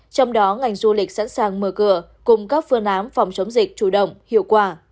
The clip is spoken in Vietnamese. trong đó ngành du lịch sẵn sàng mở cửa cung cấp phương ám phòng chống dịch chủ động hiệu quả